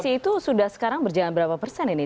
visi misi itu sudah sekarang berjalan berapa persen ini